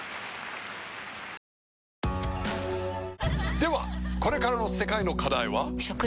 ではこれからの世界の課題は？